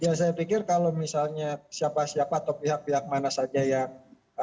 ya saya pikir kalau misalnya siapa siapa atau pihak pihak mana saja yang